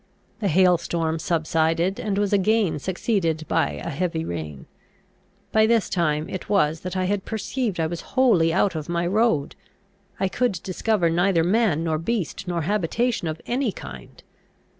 The hail storm subsided, and was again succeeded by a heavy rain. By this time it was that I had perceived I was wholly out of my road. I could discover neither man nor beast, nor habitation of any kind.